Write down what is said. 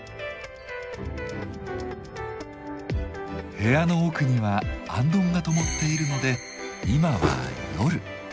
部屋の奥には行灯がともっているので今は夜。